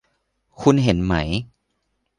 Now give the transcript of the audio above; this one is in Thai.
คุณเห็นไหม